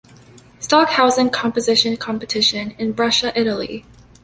Stockhausen Composition Competition in Brescia, Italy.